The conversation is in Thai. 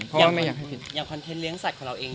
อย่างคอนเทนต์เลี้ยสัตว์ของเราเอง